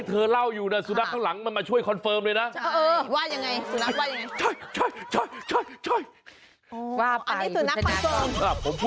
ผมพูดภาษาได้ผมเข้าใจมันอยู่